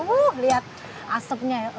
wuh lihat asapnya ya